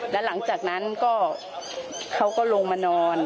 แล้วหลังจากนั้นก็เขาก็ลงมานอน